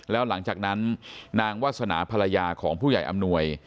แล้วหลังจากนั้นนางวาสนาภรรยาของผู้ใหญ่อำนวย